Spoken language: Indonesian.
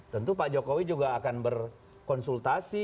tentu pak jokowi juga akan berkonsultasi